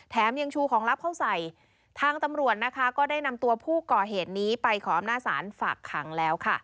ยังชูของลับเข้าใส่ทางตำรวจนะคะก็ได้นำตัวผู้ก่อเหตุนี้ไปขออำนาจศาลฝากขังแล้วค่ะ